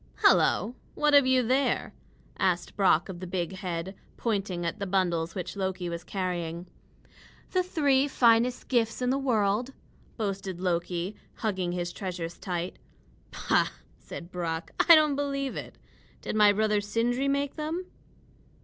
"Hello! what have you there?" asked Brock of the big head, pointing at the bundles which Loki was carrying. "The three finest gifts in the world," boasted Loki, hugging his treasures tight. "Pooh!" said Brock, "I don't believe it. Did my brother Sindri make them?"